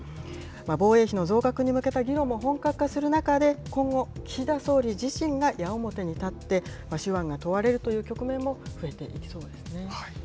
防衛費の増額に向けた議論も本格化する中で、今後、岸田総理自身が矢面に立って、手腕が問われるという局面も増えていきそうですね。